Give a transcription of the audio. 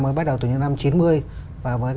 mới bắt đầu từ những năm chín mươi và với